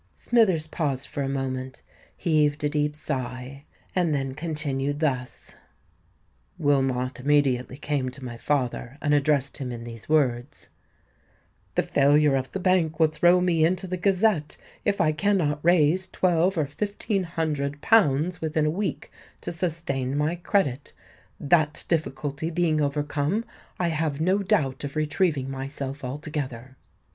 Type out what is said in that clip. Smithers paused for a moment, heaved a deep sigh, and then continued thus:— "Wilmot immediately came to my father and addressed him in these words: '_The failure of the bank will throw me into the Gazette, if I cannot raise twelve or fifteen hundred pounds within a week to sustain my credit. That difficulty being overcome, I have no doubt of retrieving myself altogether.